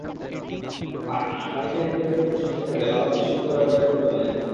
পানি খেলে মুখের ভেতরটা সজীব থাকবে, লালাও নিঃসরিত হবে পর্যাপ্ত পরিমাণে।